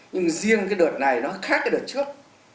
nhưng riêng cái đợt này nó khác cái đợt trước